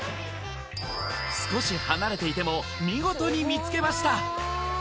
少し離れていても見事に見つけました！